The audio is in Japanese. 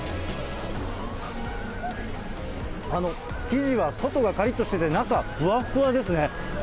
生地は外がかりっとしてて、中はふわっふわですね。